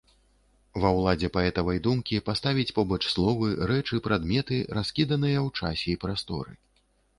Ва ўладзе паэтавай думкі паставіць побач словы, рэчы, прадметы, раскіданыя ў часе і прасторы.